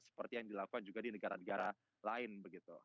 seperti yang dilakukan juga di negara negara lain begitu